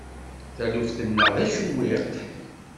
Taluft-nneɣ d acewwiq.